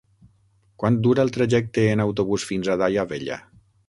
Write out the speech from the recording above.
Quant dura el trajecte en autobús fins a Daia Vella?